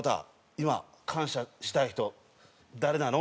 今感謝したい人誰なの？」